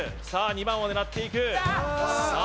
２番を狙っていくさあ